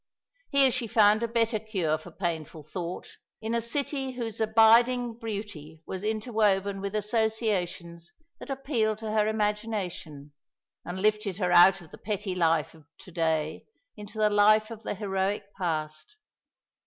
Here she found a better cure for painful thought, in a city whose abiding beauty was interwoven with associations that appealed to her imagination, and lifted her out of the petty life of to day into the life of the heroic past.